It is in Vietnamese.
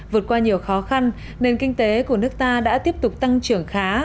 vượt qua nhiều khó khăn nền kinh tế của nước ta đã tiếp tục tăng trưởng khá